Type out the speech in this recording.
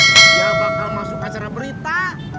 dia bakal masuk acara berita